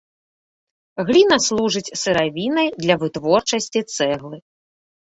Гліна служыць сыравінай для вытворчасці цэглы.